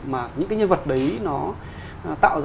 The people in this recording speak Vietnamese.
mà những cái nhân vật đấy nó tạo ra